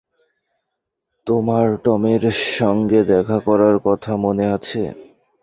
তোমার টমের সঙ্গে দেখা করার কথা, মনে আছে?